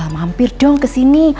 mampir dong kesini